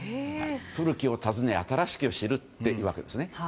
古きを訪ね新しきを知るというわけですね。